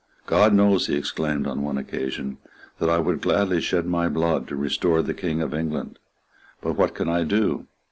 "God knows," he exclaimed on one occasion, "that I would gladly shed my blood to restore the King of England. But what can I do?